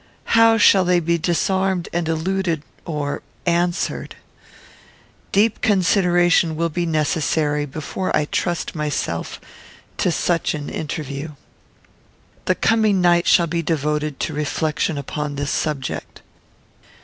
How shall they be disarmed and eluded, or answered? Deep consideration will be necessary before I trust myself to such an interview. The coming night shall be devoted to reflection upon this subject."